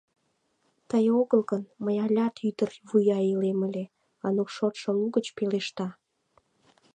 Тый огыл гын, мый алят ӱдыр вуя илем ыле, — Анук шортмо лугыч пелешта.